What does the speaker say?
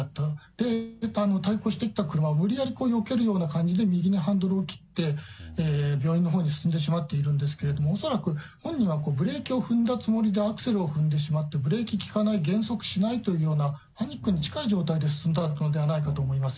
で、対向していった車を、無理やりよけるような感じで右にハンドルを切って、病院のほうに進んでしまっているんですけれども、恐らく本人はブレーキを踏んだつもりで、アクセルを踏んでしまって、ブレーキ利かない、減速しないというような、パニックに近い状態で進んだのではないかと思います。